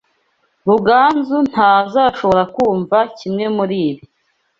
Ruganzu ntazashobora kumva kimwe muribi.